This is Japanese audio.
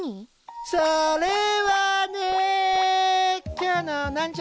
それはね。